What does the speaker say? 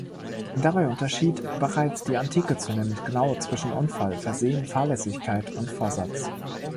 Dabei unterschied bereits die Antike zunehmend genau zwischen Unfall, Versehen, Fahrlässigkeit und Vorsatz.